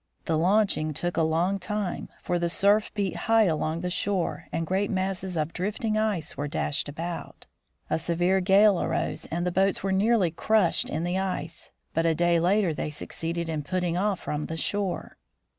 The launching took a long time, for the surf beat high along the shore, and great masses of drifting ice were dashed about. 54 THE FROZEN NORTH A severe gale arose, and the boats were nearly crushed in the ice, but a day later they succeeded in putting off from the shore.